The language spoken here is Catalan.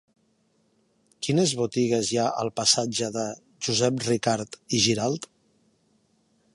Quines botigues hi ha al passatge de Josep Ricart i Giralt?